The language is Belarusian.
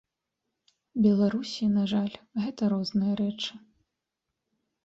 Беларусі, на жаль, гэта розныя рэчы.